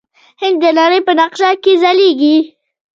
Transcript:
هند د نړۍ په نقشه کې ځلیږي.